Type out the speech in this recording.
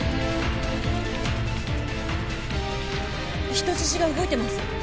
人質が動いてます。